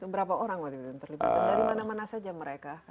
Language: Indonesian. berapa orang wadid terlibat dari mana mana saja mereka